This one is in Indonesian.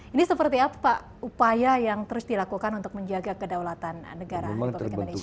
ini seperti apa pak upaya yang terus dilakukan untuk menjaga kedaulatan negara republik indonesia